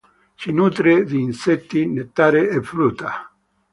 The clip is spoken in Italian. Si nutre di insetti, nettare e frutta.